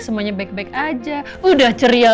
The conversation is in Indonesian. semuanya baik baik aja udah ceria